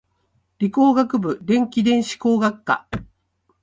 理工学部電気電子工学科